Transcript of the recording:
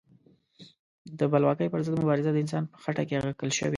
د بلواکۍ پر ضد مبارزه د انسان په خټه کې اغږل شوې.